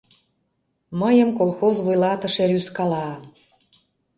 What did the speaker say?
Мыйым колхоз вуйлатыше рӱзкала.